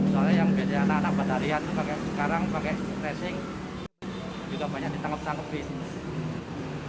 soalnya yang beda anak anak badarian sekarang pakai racing juga banyak ditangkap tangkapin